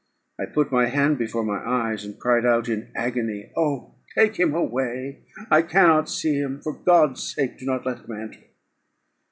I put my hand before my eyes, and cried out in agony "Oh! take him away! I cannot see him; for God's sake, do not let him enter!"